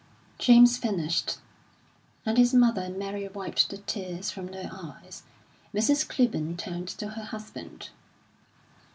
James finished, and his mother and Mary wiped the tears from their eyes. Mrs. Clibborn turned to her husband.